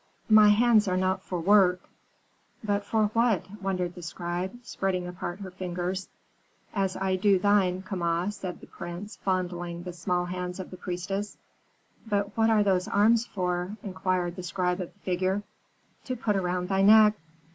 "'My hands are not for work.' "'But for what?' wondered the scribe, spreading apart her fingers (as I do thine, Kama," said the prince, fondling the small hands of the priestess). "'But what are those arms for?' inquired the scribe of the figure. "'To put around thy neck.'